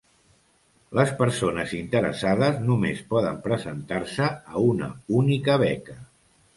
Les persones interessades només poden presentar-se a una única beca.